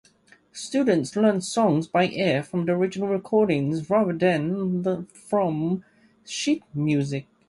Students learn songs by ear from the original recordings rather than from sheet music.